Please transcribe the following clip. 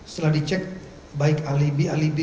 setelah dicek baik alibi alibi